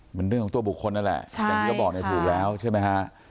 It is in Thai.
เหมือนเรื่องของตัวบุคคลนั่นแหละอย่างที่เขาบอกเนี่ยถูกแล้วใช่ไหมฮะ